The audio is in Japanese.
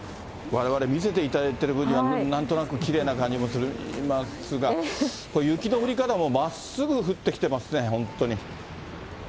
われわれ見せていただいている分には、なんとなくきれいな感じもしますが、雪の降り方もまっすぐ降ってきてますね、本当に。